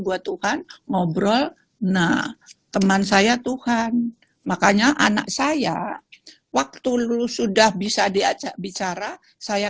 buat tuhan ngobrol nah teman saya tuhan makanya anak saya waktu lu sudah bisa diajak bicara saya